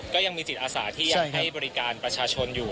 ก็ยังมีจิตอาสาที่ยังให้บริการประชาชนอยู่